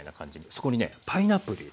そこにねパイナップル入れとく。